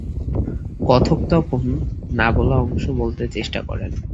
কথক তখন নাবলা অংশ বলতে চেষ্টা করেন।